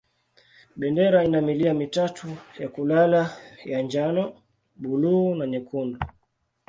Bendera ina milia mitatu ya kulala ya njano, buluu na nyekundu.